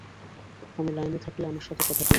আমি লাইনে থাকলে আমর সাথে কথা বলবেন।